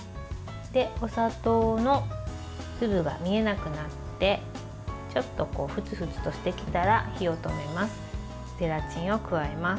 お砂糖の粒が見えなくなってちょっと、ふつふつとしてきたら火を止めます。